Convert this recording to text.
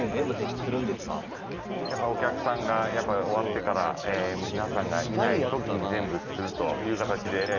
やっぱりお客さんが終わってから皆さんがいない時に全部するという形で。